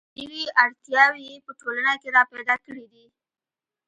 نوې اړتیاوې یې په ټولنه کې را پیدا کړې دي.